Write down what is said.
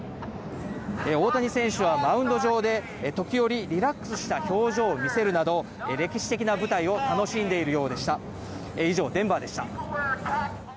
大谷選手はマウンド上で時折、リラックスした表情を見せるなど、歴史的な舞台を楽しんでいるようでした。